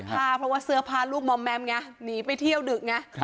ผ้าเพราะว่าเสื้อผ้าลูกมอมแมมไงหนีไปเที่ยวดึกไง